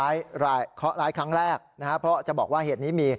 อยู่บนผ่านทุ่มหน้าภูอ่ะครับพี่ต่อ